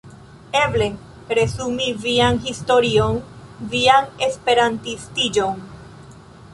Eble resumi vian historion, vian esperantistiĝon.